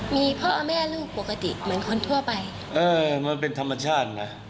มีพ่อแม่ลูกปกติเหมือนคนทั่วไปเออมันเป็นธรรมชาตินะ